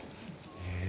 へえ。